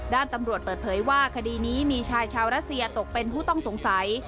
ด้านตำรวจเปิดเผยว่าคดีนี้มีชายชาวรัสเซียตกเป็นผู้ต้องสงสัย